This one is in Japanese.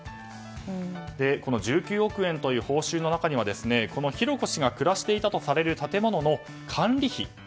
この１９億円という報酬の中には浩子氏が暮らしていたとされる建物の管理費。